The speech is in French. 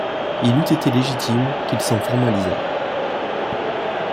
Il eût été légitime qu’il s’en formalisât.